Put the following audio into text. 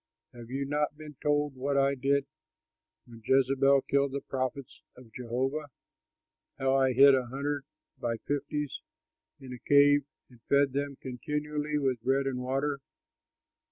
Have you not been told what I did when Jezebel killed the prophets of Jehovah, how I hid a hundred by fifties in a cave and fed them continually with bread and water?"